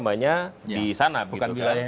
bukan wilayahnya pak jokowi